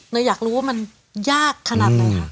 อยากรู้ว่ามันยากขนาดไหนคะ